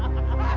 aku banyak uang